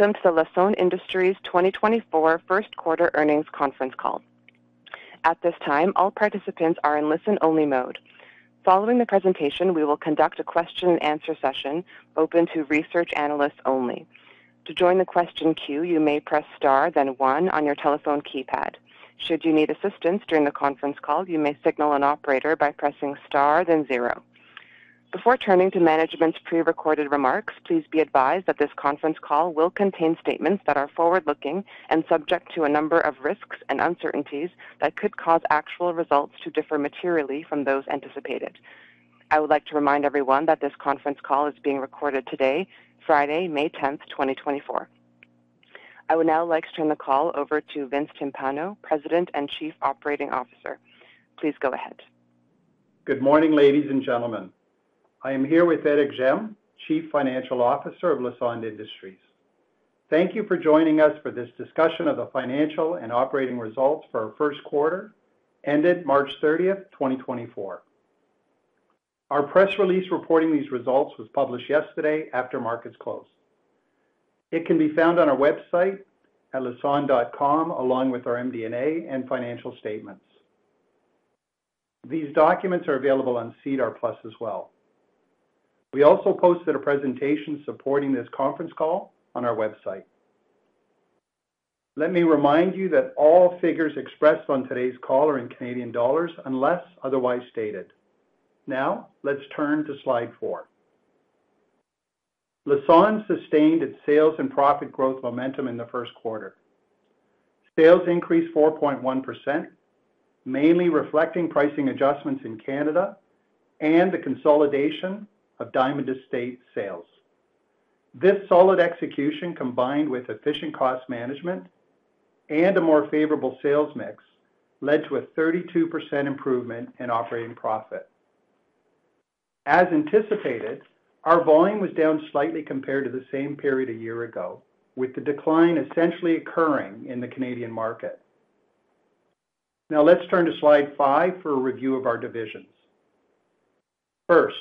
Welcome to the Lassonde Industries 2024 first quarter earnings conference call. At this time, all participants are in listen-only mode. Following the presentation, we will conduct a question-and-answer session open to research analysts only. To join the question queue, you may press * then 1 on your telephone keypad. Should you need assistance during the conference call, you may signal an operator by pressing * then 0. Before turning to management's prerecorded remarks, please be advised that this conference call will contain statements that are forward-looking and subject to a number of risks and uncertainties that could cause actual results to differ materially from those anticipated. I would like to remind everyone that this conference call is being recorded today, Friday, May 10, 2024. I would now like to turn the call over to Vincent Timpano, President and Chief Operating Officer. Please go ahead. Good morning, ladies and gentlemen. I am here with Éric Gemme, Chief Financial Officer of Lassonde Industries. Thank you for joining us for this discussion of the financial and operating results for our first quarter, ended March 30, 2024. Our press release reporting these results was published yesterday after markets closed. It can be found on our website at lassonde.com along with our MD&A and financial statements. These documents are available on SEDAR+ as well. We also posted a presentation supporting this conference call on our website. Let me remind you that all figures expressed on today's call are in Canadian dollars unless otherwise stated. Now, let's turn to slide 4. Lassonde sustained its sales and profit growth momentum in the first quarter. Sales increased 4.1%, mainly reflecting pricing adjustments in Canada and the consolidation of Diamond Estates sales. This solid execution, combined with efficient cost management and a more favorable sales mix, led to a 32% improvement in operating profit. As anticipated, our volume was down slightly compared to the same period a year ago, with the decline essentially occurring in the Canadian market. Now, let's turn to slide 5 for a review of our divisions. First,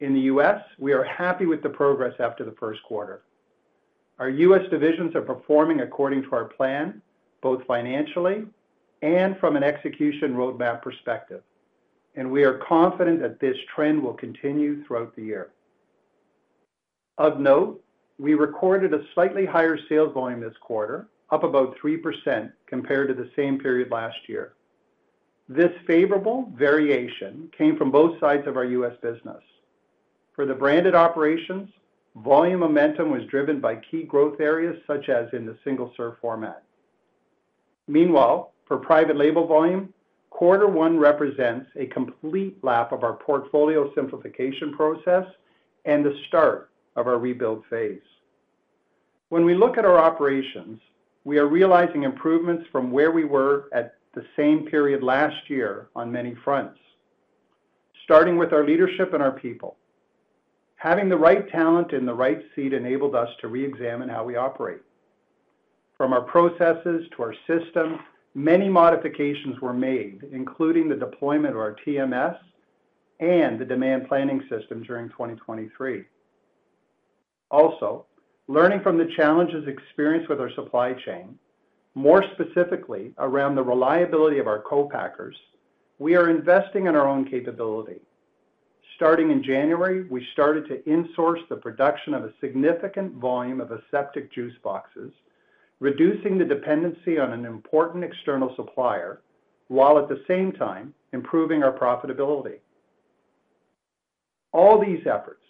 in the U.S., we are happy with the progress after the first quarter. Our U.S. divisions are performing according to our plan, both financially and from an execution roadmap perspective, and we are confident that this trend will continue throughout the year. Of note, we recorded a slightly higher sales volume this quarter, up about 3% compared to the same period last year. This favorable variation came from both sides of our U.S. business. For the branded operations, volume momentum was driven by key growth areas such as in the single-serve format. Meanwhile, for private label volume, quarter 1 represents a complete lap of our portfolio simplification process and the start of our rebuild phase. When we look at our operations, we are realizing improvements from where we were at the same period last year on many fronts, starting with our leadership and our people. Having the right talent in the right seat enabled us to reexamine how we operate. From our processes to our systems, many modifications were made, including the deployment of our TMS and the demand planning system during 2023. Also, learning from the challenges experienced with our supply chain, more specifically around the reliability of our co-packers, we are investing in our own capability. Starting in January, we started to insource the production of a significant volume of aseptic juice boxes, reducing the dependency on an important external supplier while at the same time improving our profitability. All these efforts,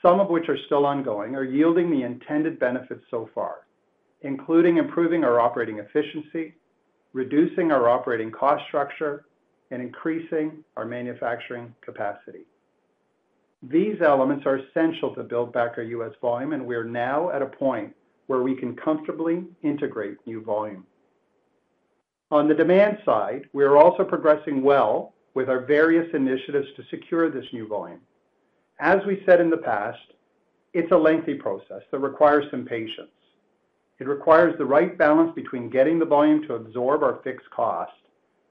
some of which are still ongoing, are yielding the intended benefits so far, including improving our operating efficiency, reducing our operating cost structure, and increasing our manufacturing capacity. These elements are essential to build back our U.S. volume, and we are now at a point where we can comfortably integrate new volume. On the demand side, we are also progressing well with our various initiatives to secure this new volume. As we said in the past, it's a lengthy process that requires some patience. It requires the right balance between getting the volume to absorb our fixed cost,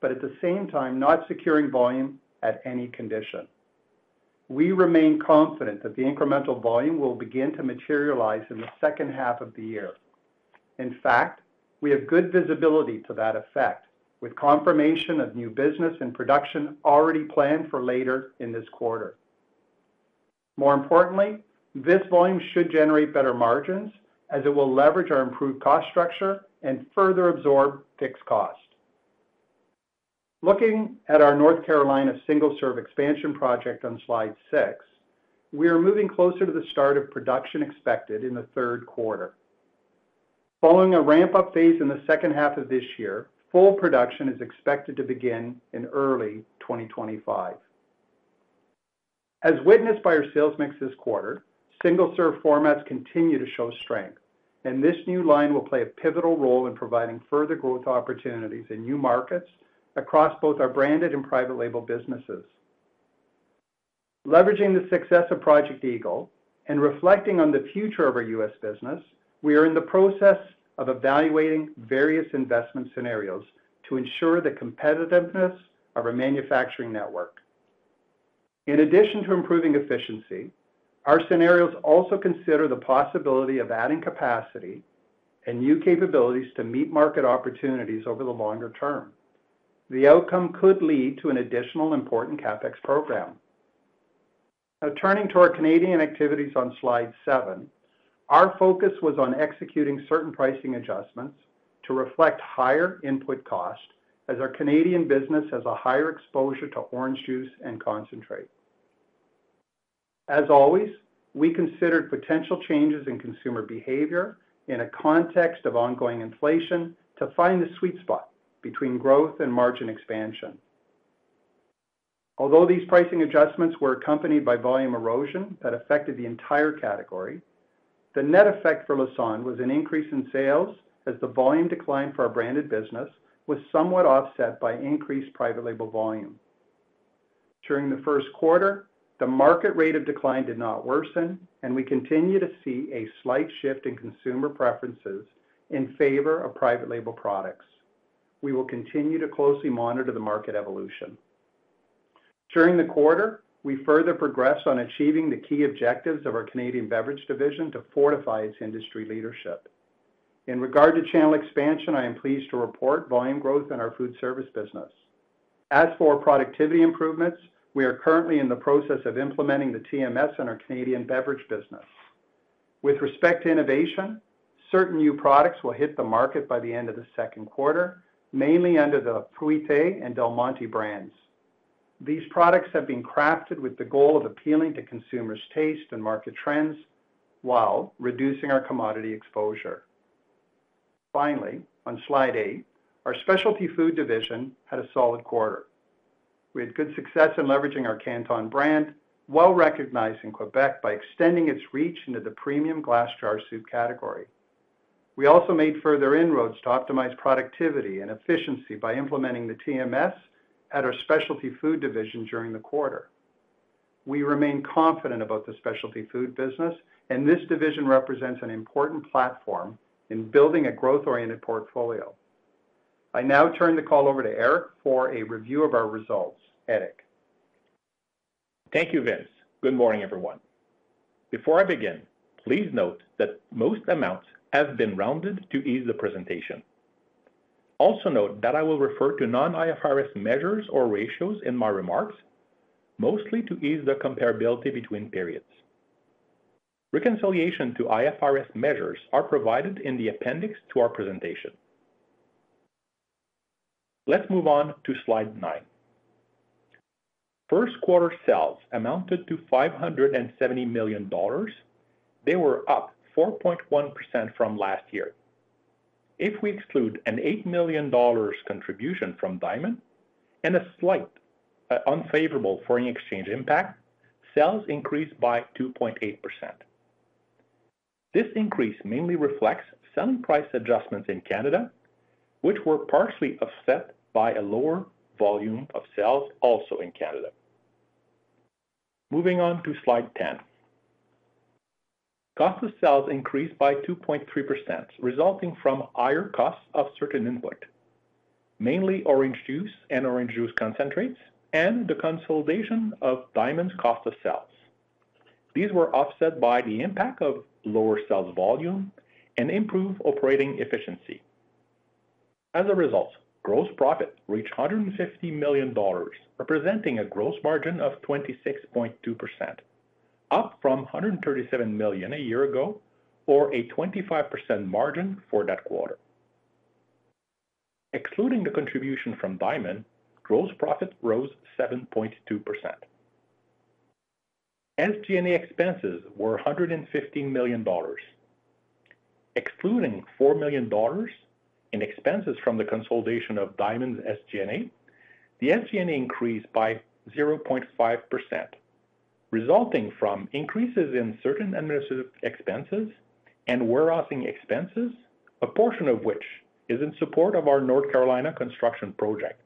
but at the same time not securing volume at any condition. We remain confident that the incremental volume will begin to materialize in the second half of the year. In fact, we have good visibility to that effect, with confirmation of new business and production already planned for later in this quarter. More importantly, this volume should generate better margins, as it will leverage our improved cost structure and further absorb fixed cost. Looking at our North Carolina single-serve expansion project on slide 6, we are moving closer to the start of production expected in the third quarter. Following a ramp-up phase in the second half of this year, full production is expected to begin in early 2025. As witnessed by our sales mix this quarter, single-serve formats continue to show strength, and this new line will play a pivotal role in providing further growth opportunities in new markets across both our branded and private label businesses. Leveraging the success of Project Eagle and reflecting on the future of our U.S. business, we are in the process of evaluating various investment scenarios to ensure the competitiveness of our manufacturing network. In addition to improving efficiency, our scenarios also consider the possibility of adding capacity and new capabilities to meet market opportunities over the longer term. The outcome could lead to an additional important CapEx program. Now, turning to our Canadian activities on slide 7, our focus was on executing certain pricing adjustments to reflect higher input cost, as our Canadian business has a higher exposure to orange juice and concentrate. As always, we considered potential changes in consumer behavior in a context of ongoing inflation to find the sweet spot between growth and margin expansion. Although these pricing adjustments were accompanied by volume erosion that affected the entire category, the net effect for Lassonde was an increase in sales as the volume decline for our branded business was somewhat offset by increased private label volume. During the first quarter, the market rate of decline did not worsen, and we continue to see a slight shift in consumer preferences in favor of private label products. We will continue to closely monitor the market evolution. During the quarter, we further progressed on achieving the key objectives of our Canadian beverage division to fortify its industry leadership. In regard to channel expansion, I am pleased to report volume growth in our food service business. As for productivity improvements, we are currently in the process of implementing the TMS in our Canadian beverage business. With respect to innovation, certain new products will hit the market by the end of the second quarter, mainly under the Fruité and Del Monte brands. These products have been crafted with the goal of appealing to consumers' taste and market trends while reducing our commodity exposure. Finally, on slide 8, our specialty food division had a solid quarter. We had good success in leveraging our Canton brand, well recognized in Quebec by extending its reach into the premium glass jar soup category. We also made further inroads to optimize productivity and efficiency by implementing the TMS at our specialty food division during the quarter. We remain confident about the specialty food business, and this division represents an important platform in building a growth-oriented portfolio. I now turn the call over to Éric for a review of our results, Éric. Thank you, Vince. Good morning, everyone. Before I begin, please note that most amounts have been rounded to ease the presentation. Also note that I will refer to non-IFRS measures or ratios in my remarks, mostly to ease the comparability between periods. Reconciliation to IFRS measures are provided in the appendix to our presentation. Let's move on to slide 9. First quarter sales amounted to 570 million dollars. They were up 4.1% from last year. If we exclude a 8 million dollars contribution from Diamond and a slight unfavorable foreign exchange impact, sales increased by 2.8%. This increase mainly reflects selling price adjustments in Canada, which were partially offset by a lower volume of sales also in Canada. Moving on to slide 10. Cost of sales increased by 2.3%, resulting from higher costs of certain input, mainly orange juice and orange juice concentrates, and the consolidation of Diamond's cost of sales. These were offset by the impact of lower sales volume and improved operating efficiency. As a result, gross profit reached 150 million dollars, representing a gross margin of 26.2%, up from 137 million a year ago or a 25% margin for that quarter. Excluding the contribution from Diamond, gross profit rose 7.2%. SG&A expenses were 115 million dollars. Excluding 4 million dollars in expenses from the consolidation of Diamond's SG&A, the SG&A increased by 0.5%, resulting from increases in certain administrative expenses and warehousing expenses, a portion of which is in support of our North Carolina construction project.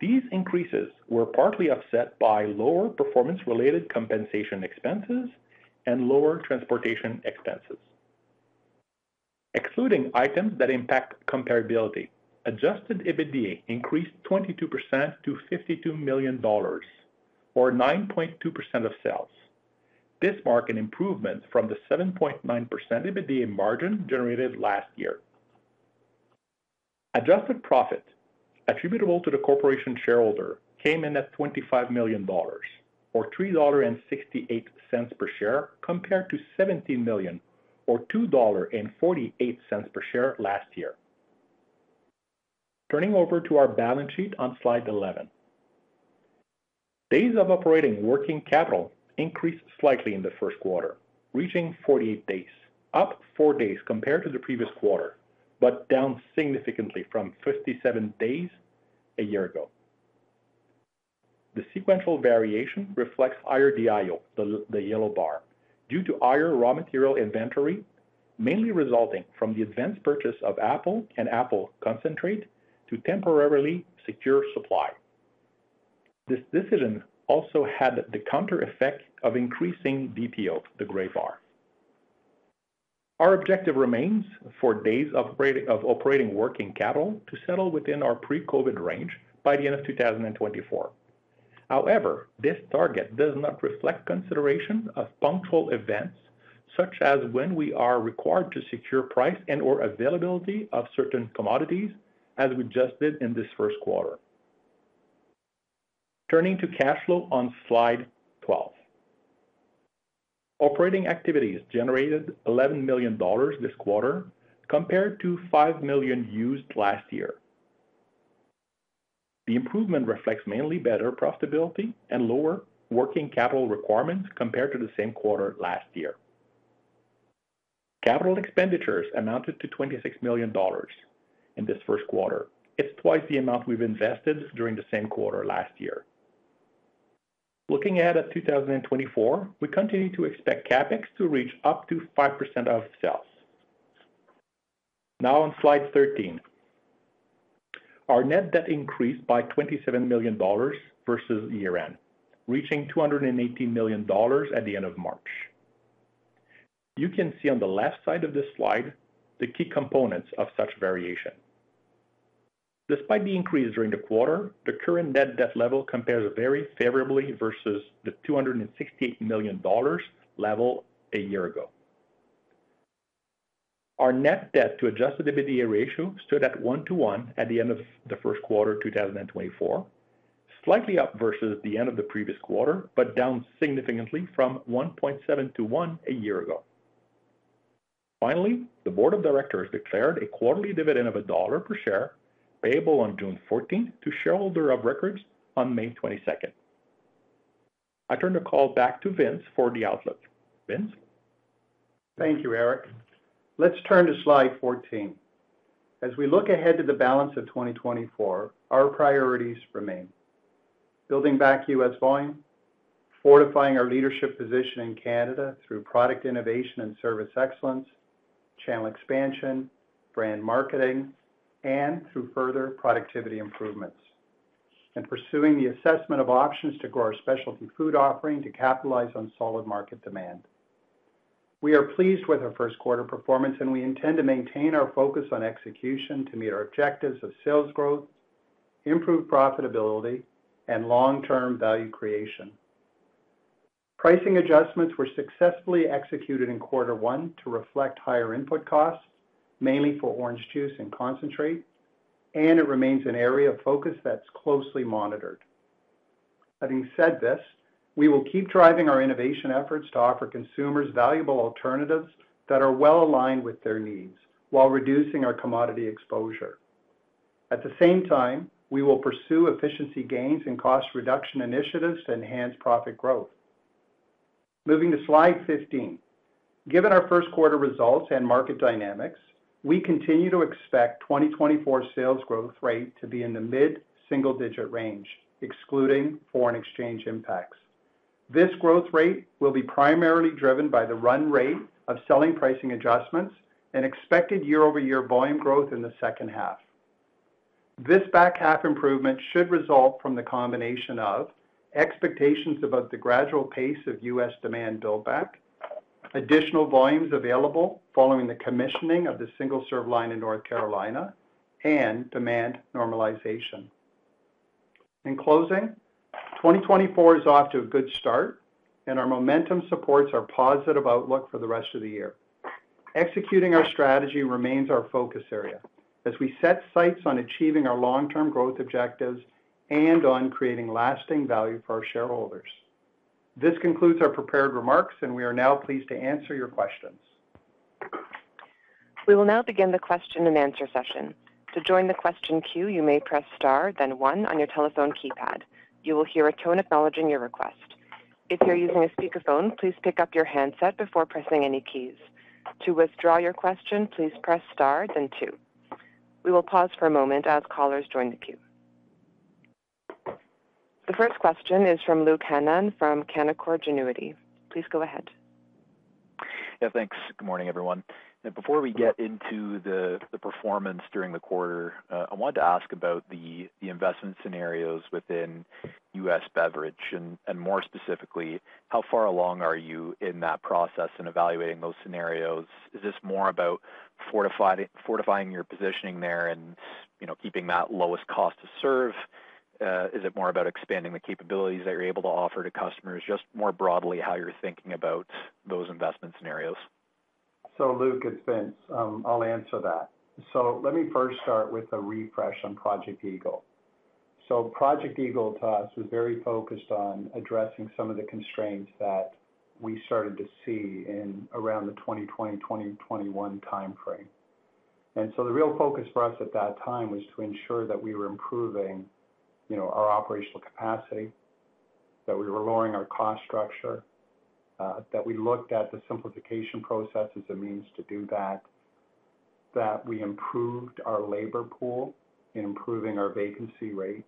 These increases were partly offset by lower performance-related compensation expenses and lower transportation expenses. Excluding items that impact comparability, Adjusted EBITDA increased 22% to 52 million dollars or 9.2% of sales. This marked an improvement from the 7.9% EBITDA margin generated last year. Adjusted profit attributable to the corporation shareholder came in at 25 million dollars or 3.68 dollar per share compared to 17 million or 2.48 dollar per share last year. Turning over to our balance sheet on slide 11. Days of Operating Working Capital increased slightly in the first quarter, reaching 48 days, up four days compared to the previous quarter, but down significantly from 57 days a year ago. The sequential variation reflects higher DIO, the yellow bar, due to higher raw material inventory, mainly resulting from the advance purchase of apple and apple concentrate to temporarily secure supply. This decision also had the counter effect of increasing DPO, the gray bar. Our objective remains for Days of Operating Working Capital to settle within our pre-COVID range by the end of 2024. However, this target does not reflect consideration of punctual events such as when we are required to secure price and/or availability of certain commodities, as we just did in this first quarter. Turning to cash flow on slide 12. Operating activities generated 11 million dollars this quarter compared to 5 million used last year. The improvement reflects mainly better profitability and lower working capital requirements compared to the same quarter last year. Capital expenditures amounted to 26 million dollars in this first quarter. It's twice the amount we've invested during the same quarter last year. Looking ahead at 2024, we continue to expect CapEx to reach up to 5% of sales. Now on slide 13. Our net debt increased by 27 million dollars versus year-end, reaching 218 million dollars at the end of March. You can see on the left side of this slide the key components of such variation. Despite the increase during the quarter, the current net debt level compares very favorably versus the 268 million dollars level a year ago. Our net debt to Adjusted EBITDA ratio stood at 1:1 at the end of the first quarter 2024, slightly up versus the end of the previous quarter, but down significantly from 1.7:1 a year ago. Finally, the Board of Directors declared a quarterly dividend of CAD 1 per share payable on June 14 to shareholders of record on May 22. I turn the call back to Vince for the outlook. Vince? Thank you, Éric. Let's turn to slide 14. As we look ahead to the balance of 2024, our priorities remain: building back U.S. volume, fortifying our leadership position in Canada through product innovation and service excellence, channel expansion, brand marketing, and through further productivity improvements, and pursuing the assessment of options to grow our specialty food offering to capitalize on solid market demand. We are pleased with our first quarter performance, and we intend to maintain our focus on execution to meet our objectives of sales growth, improved profitability, and long-term value creation. Pricing adjustments were successfully executed in quarter one to reflect higher input costs, mainly for orange juice and concentrate, and it remains an area of focus that's closely monitored. Having said this, we will keep driving our innovation efforts to offer consumers valuable alternatives that are well aligned with their needs while reducing our commodity exposure. At the same time, we will pursue efficiency gains and cost reduction initiatives to enhance profit growth. Moving to slide 15. Given our first quarter results and market dynamics, we continue to expect 2024 sales growth rate to be in the mid-single-digit range, excluding foreign exchange impacts. This growth rate will be primarily driven by the run rate of selling pricing adjustments and expected year-over-year volume growth in the second half. This back-half improvement should result from the combination of expectations about the gradual pace of U.S. demand buildback, additional volumes available following the commissioning of the single-serve line in North Carolina, and demand normalization. In closing, 2024 is off to a good start, and our momentum supports our positive outlook for the rest of the year. Executing our strategy remains our focus area as we set sights on achieving our long-term growth objectives and on creating lasting value for our shareholders. This concludes our prepared remarks, and we are now pleased to answer your questions. We will now begin the question-and-answer session. To join the question queue, you may press * then 1 on your telephone keypad. You will hear a tone acknowledging your request. If you're using a speakerphone, please pick up your handset before pressing any keys. To withdraw your question, please press * then 2. We will pause for a moment as callers join the queue. The first question is from Luke Hannan from Canaccord Genuity. Please go ahead. Yeah, thanks. Good morning, everyone. Before we get into the performance during the quarter, I wanted to ask about the investment scenarios within U.S. beverage, and more specifically, how far along are you in that process in evaluating those scenarios? Is this more about fortifying your positioning there and keeping that lowest cost to serve? Is it more about expanding the capabilities that you're able to offer to customers? Just more broadly, how you're thinking about those investment scenarios? So, Luke it's Vince, I'll answer that. So let me first start with a refresh on Project Eagle. So Project Eagle, to us, was very focused on addressing some of the constraints that we started to see around the 2020-2021 time frame. And so the real focus for us at that time was to ensure that we were improving our operational capacity, that we were lowering our cost structure, that we looked at the simplification process as a means to do that, that we improved our labor pool in improving our vacancy rates.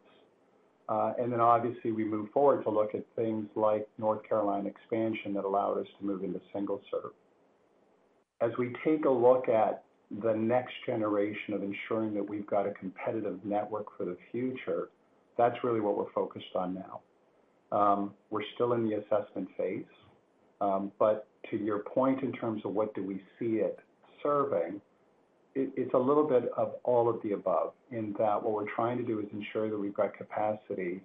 And then, obviously, we moved forward to look at things like North Carolina expansion that allowed us to move into single-serve. As we take a look at the next generation of ensuring that we've got a competitive network for the future, that's really what we're focused on now. We're still in the assessment phase, but to your point in terms of what do we see it serving, it's a little bit of all of the above in that what we're trying to do is ensure that we've got capacity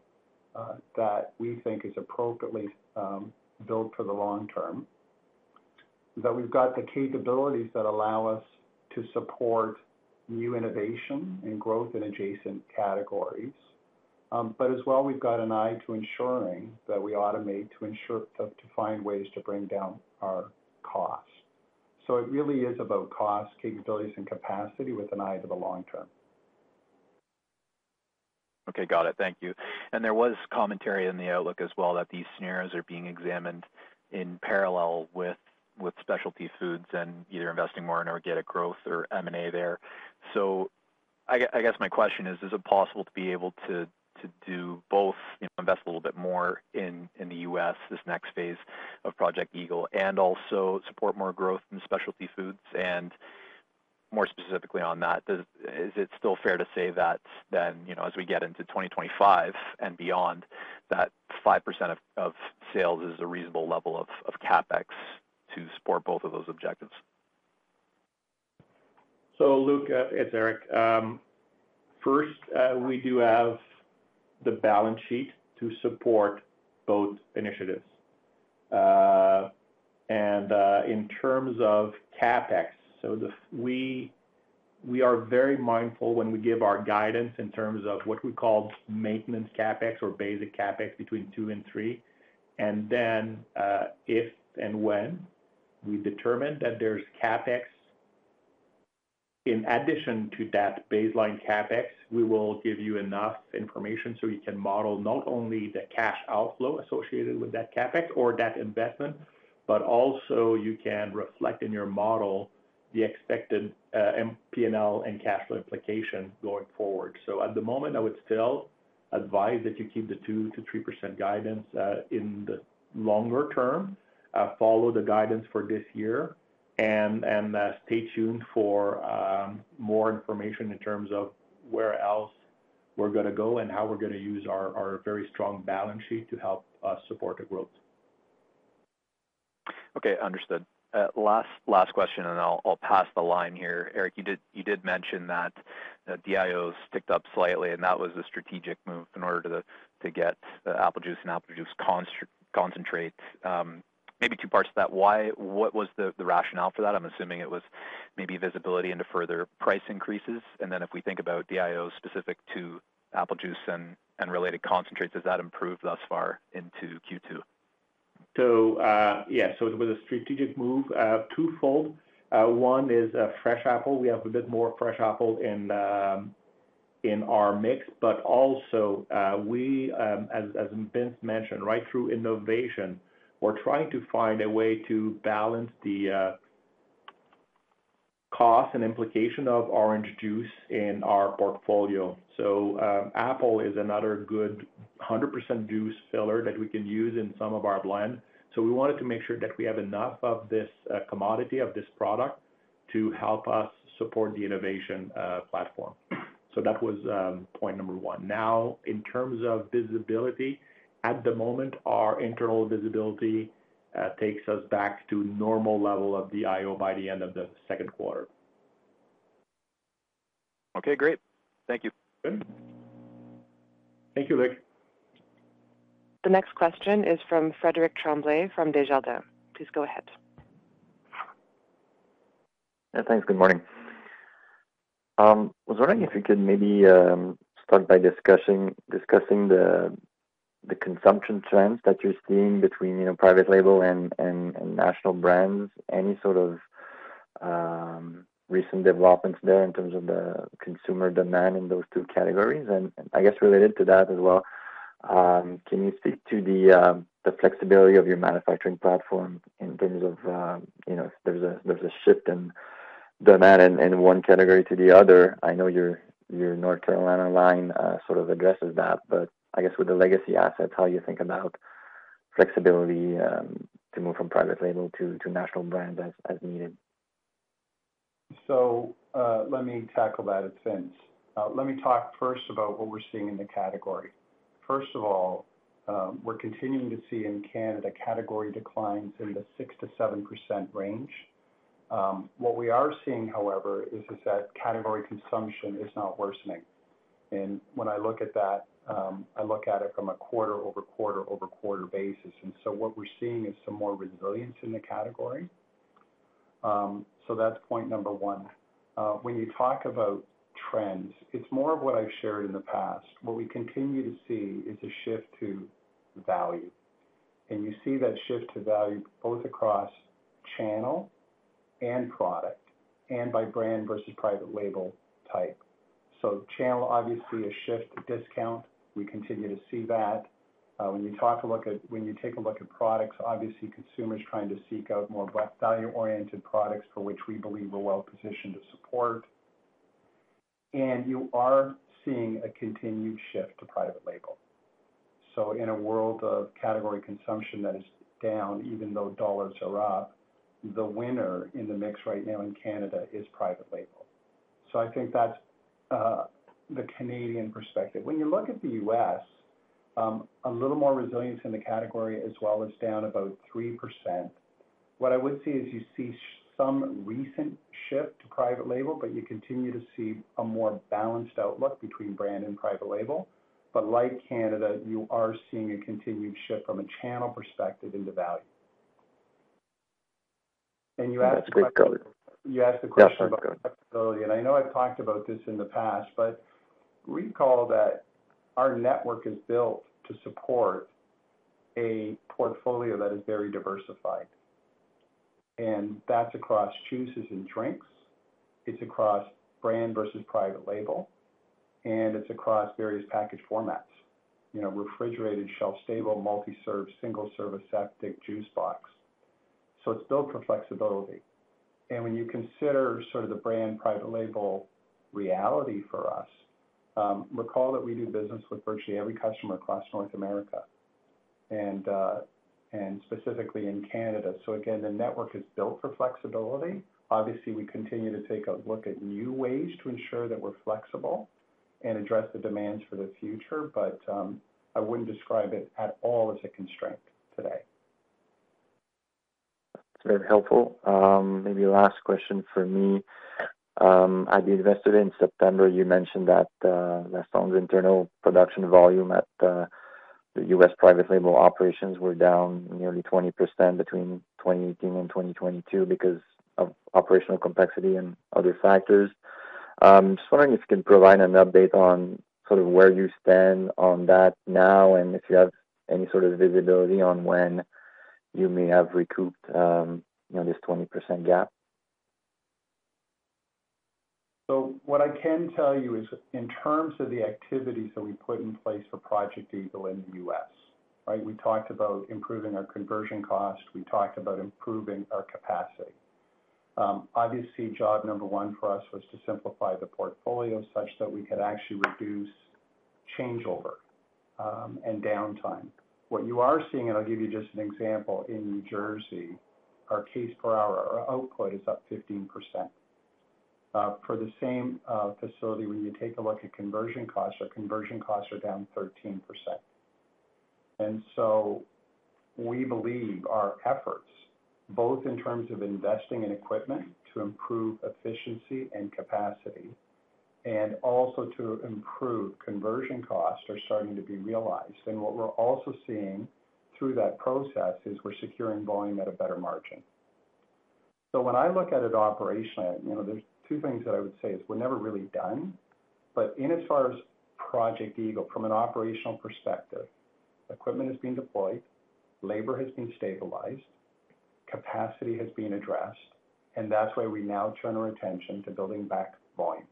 that we think is appropriately built for the long term, that we've got the capabilities that allow us to support new innovation and growth in adjacent categories, but as well, we've got an eye to ensuring that we automate to find ways to bring down our cost. So it really is about cost, capabilities, and capacity with an eye to the long term. Okay, got it. Thank you. There was commentary in the outlook as well that these scenarios are being examined in parallel with specialty foods and either investing more in organic growth or M&A there. So I guess my question is, is it possible to be able to invest a little bit more in the U.S. this next phase of Project Eagle and also support more growth in specialty foods? More specifically on that, is it still fair to say that then, as we get into 2025 and beyond, that 5% of sales is a reasonable level of CapEx to support both of those objectives? So, Luke, it's Éric. First, we do have the balance sheet to support both initiatives. In terms of CapEx, so we are very mindful when we give our guidance in terms of what we call maintenance CapEx or basic CapEx between 2 and 3. And then if and when we determine that there's CapEx in addition to that baseline CapEx, we will give you enough information so you can model not only the cash outflow associated with that CapEx or that investment, but also you can reflect in your model the expected P&L and cash flow implication going forward. At the moment, I would still advise that you keep the 2%-3% guidance in the longer term, follow the guidance for this year, and stay tuned for more information in terms of where else we're going to go and how we're going to use our very strong balance sheet to help support the growth. Okay, understood. Last question, and I'll pass the line here. Éric, you did mention that DIOs ticked up slightly, and that was a strategic move in order to get apple juice and apple juice concentrate. Maybe two parts to that. What was the rationale for that? I'm assuming it was maybe visibility into further price increases. And then if we think about DIOs specific to apple juice and related concentrates, has that improved thus far into Q2? So, yeah, so it was a strategic move, twofold. One is fresh apple. We have a bit more fresh apple in our mix. But also, as Vince mentioned, right through innovation, we're trying to find a way to balance the cost and implication of orange juice in our portfolio. So apple is another good 100% juice filler that we can use in some of our blend. So we wanted to make sure that we have enough of this commodity, of this product, to help us support the innovation platform. So that was point number one. Now, in terms of visibility, at the moment, our internal visibility takes us back to normal level of DIO by the end of the second quarter. Okay, great. Thank you. Good. Thank you, Luke. The next question is from Frédéric Tremblay from Desjardins. Please go ahead. Yeah, thanks. Good morning. I was wondering if you could maybe start by discussing the consumption trends that you're seeing between private label and national brands, any sort of recent developments there in terms of the consumer demand in those two categories? And I guess related to that as well, can you speak to the flexibility of your manufacturing platform in terms of if there's a shift in demand in one category to the other? I know your North Carolina line sort of addresses that, but I guess with the legacy assets, how do you think about flexibility to move from private label to national brands as needed? So let me tackle that it's Vince. Let me talk first about what we're seeing in the category. First of all, we're continuing to see in Canada category declines in the 6%-7% range. What we are seeing, however, is that category consumption is not worsening. And when I look at that, I look at it from a quarter-over-quarter-over-quarter basis. And so what we're seeing is some more resilience in the category. So that's point number one. When you talk about trends, it's more of what I've shared in the past. What we continue to see is a shift to value. And you see that shift to value both across channel and product and by brand versus private label type. So channel, obviously, a shift to discount. We continue to see that. When you take a look at products, obviously, consumers are trying to seek out more value-oriented products for which we believe we're well positioned to support. You are seeing a continued shift to private label. So in a world of category consumption that is down, even though dollars are up, the winner in the mix right now in Canada is private label. So I think that's the Canadian perspective. When you look at the U.S., a little more resilience in the category, as well, is down about 3%. What I would see is you see some recent shift to private label, but you continue to see a more balanced outlook between brand and private label. But like Canada, you are seeing a continued shift from a channel perspective into value. And you asked the question. That's a great color. You asked the question about flexibility. I know I've talked about this in the past, but recall that our network is built to support a portfolio that is very diversified. That's across juices and drinks. It's across brand versus private label. It's across various package formats: refrigerated, shelf-stable, multi-serve, single-serve, aseptic juice box. So it's built for flexibility. When you consider sort of the brand-private label reality for us, recall that we do business with virtually every customer across North America and specifically in Canada. So again, the network is built for flexibility. Obviously, we continue to take a look at new ways to ensure that we're flexible and address the demands for the future, but I wouldn't describe it at all as a constraint today. That's very helpful. Maybe last question for me. At the Investor Day in September. You mentioned that Lassonde's internal production volume at the U.S. private label operations were down nearly 20% between 2018 and 2022 because of operational complexity and other factors. I'm just wondering if you can provide an update on sort of where you stand on that now and if you have any sort of visibility on when you may have recouped this 20% gap? So what I can tell you is in terms of the activities that we put in place for Project Eagle in the U.S., right, we talked about improving our conversion cost. We talked about improving our capacity. Obviously, job number one for us was to simplify the portfolio such that we could actually reduce changeover and downtime. What you are seeing, and I'll give you just an example, in New Jersey, our case per hour, our output is up 15%. For the same facility, when you take a look at conversion costs, our conversion costs are down 13%. And so we believe our efforts, both in terms of investing in equipment to improve efficiency and capacity and also to improve conversion cost, are starting to be realized. And what we're also seeing through that process is we're securing volume at a better margin. So when I look at it operationally, there are two things that I would say is we're never really done. But as far as Project Eagle, from an operational perspective, equipment has been deployed, labor has been stabilized, capacity has been addressed, and that's why we now turn our attention to building back volume.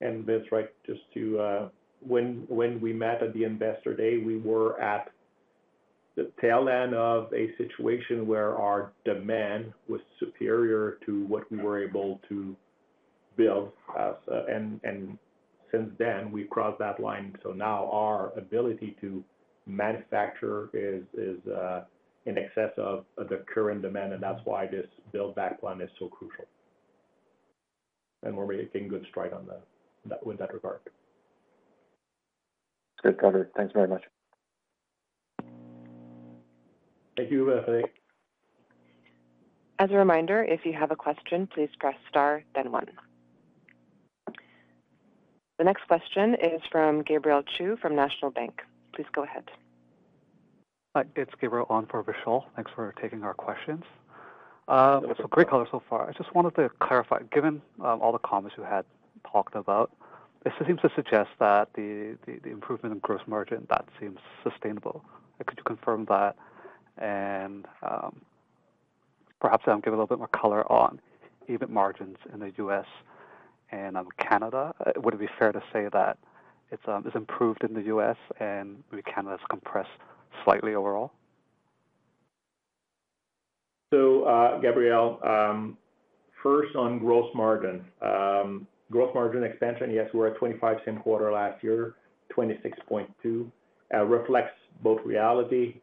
And Vince, right, just to when we met at the investor day, we were at the tail end of a situation where our demand was superior to what we were able to build. And since then, we crossed that line. So now our ability to manufacture is in excess of the current demand, and that's why this build-back plan is so crucial. And we're making good strides in that regard. Good, got it. Thanks very much. Thank you, Lassonde. As a reminder, if you have a question, please press star, then one. The next question is from Gabriel Chu from National Bank. Please go ahead. Hi, it's Gabriel on for Vishal. Thanks for taking our questions. So great color so far. I just wanted to clarify, given all the comments you had talked about, this seems to suggest that the improvement in gross margin, that seems sustainable. Could you confirm that? And perhaps give a little bit more color on even margins in the U.S. and Canada. Would it be fair to say that it's improved in the U.S. and maybe Canada's compressed slightly overall? So, Gabriel, first on gross margin. Gross margin expansion, yes, we were at 25% quarter last year, 26.2%. Reflects both reality.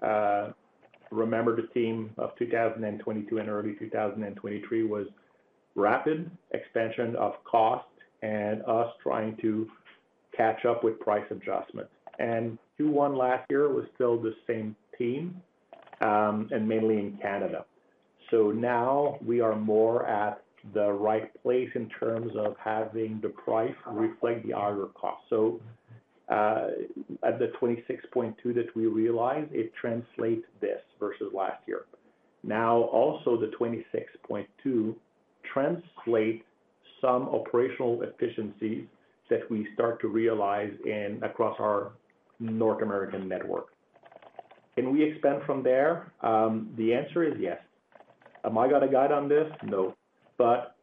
Remember, the time of 2022 and early 2023 was rapid expansion of cost and us trying to catch up with price adjustments. And Q1 last year was still the same time and mainly in Canada. So now we are more at the right place in terms of having the price reflect the cost. So at the 26.2% that we realized, it translates this versus last year. Now, also, the 26.2% translates some operational efficiencies that we start to realize across our North American network. Can we expand from there? The answer is yes. Have I got a guide on this? No. But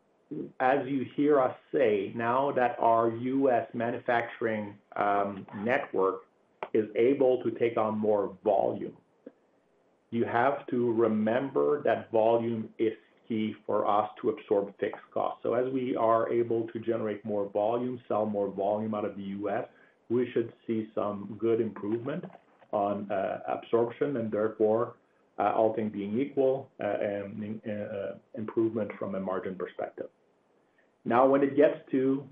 as you hear us say now that our U.S. Manufacturing network is able to take on more volume. You have to remember that volume is key for us to absorb fixed costs. So as we are able to generate more volume, sell more volume out of the U.S., we should see some good improvement on absorption and therefore, all things being equal, improvement from a margin perspective. Now, when it gets to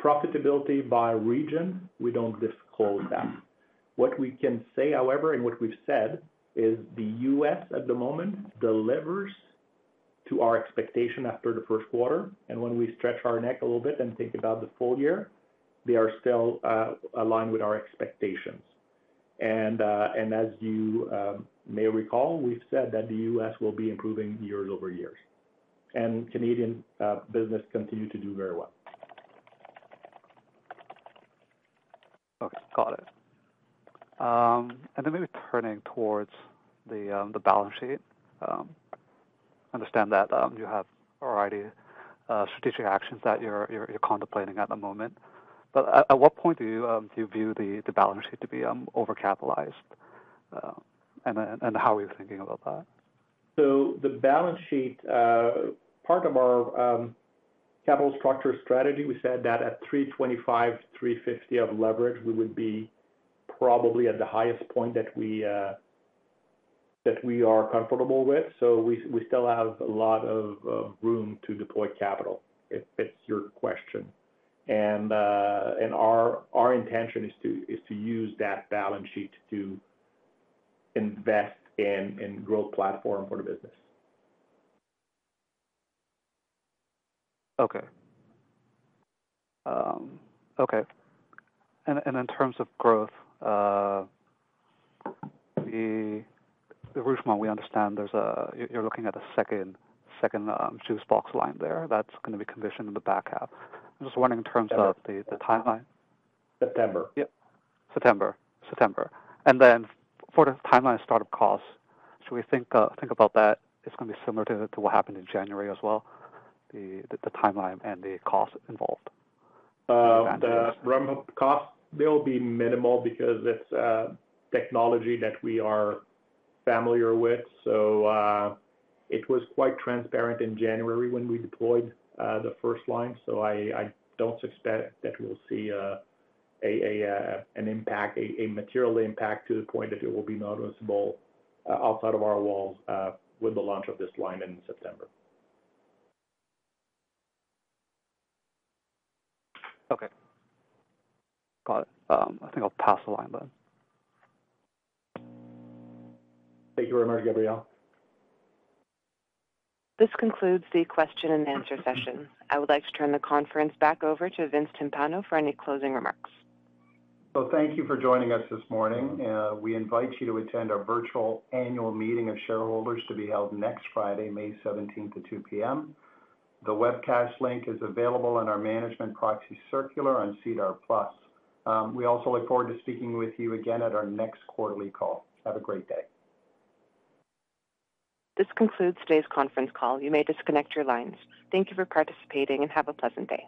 profitability by region, we don't disclose that. What we can say, however, and what we've said is the U.S. at the moment delivers to our expectation after the first quarter. And when we stretch our neck a little bit and think about the full year, they are still aligned with our expectations. And as you may recall, we've said that the U.S. will be improving years over years. And Canadian business continues to do very well. Okay, got it. Then maybe turning towards the balance sheet. I understand that you have a variety of strategic actions that you're contemplating at the moment. But at what point do you view the balance sheet to be overcapitalized? How are you thinking about that? So the balance sheet, part of our capital structure strategy, we said that at 3.25-3.50 of leverage, we would be probably at the highest point that we are comfortable with. So we still have a lot of room to deploy capital if it's your question. And our intention is to use that balance sheet to invest in growth platform for the business. Okay. Okay. And in terms of growth, Vince, shall, we understand you're looking at a second juice box line there that's going to be commissioned in the back half. I'm just wondering in terms of the timeline. September. Yep, September. September. And then for the timeline of startup costs, should we think about that? It's going to be similar to what happened in January as well, the timeline and the cost involved. The ramp-up cost, they'll be minimal because it's technology that we are familiar with. So it was quite transparent in January when we deployed the first line. So I don't expect that we'll see an impact, a material impact to the point that it will be noticeable outside of our walls with the launch of this line in September. Okay. Got it. I think I'll pass the line then. Thank you very much, Gabriel. This concludes the question-and-answer session. I would like to turn the conference back over to Vince Timpano for any closing remarks. Thank you for joining us this morning. We invite you to attend our virtual annual meeting of shareholders to be held next Friday, May 17th at 2:00 P.M. The webcast link is available on our management proxy circular on SEDAR+. We also look forward to speaking with you again at our next quarterly call. Have a great day. This concludes today's conference call. You may disconnect your lines. Thank you for participating and have a pleasant day.